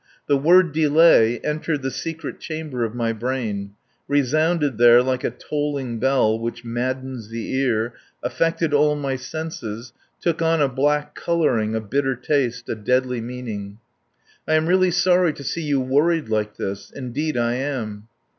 The word "Delay" entered the secret chamber of my brain, resounded there like a tolling bell which maddens the ear, affected all my senses, took on a black colouring, a bitter taste, a deadly meaning. "I am really sorry to see you worried like this. Indeed, I am.